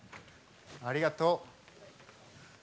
ありがとう。